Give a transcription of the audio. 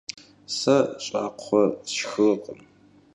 Сэ щӀакхъуэ сшхыркъым.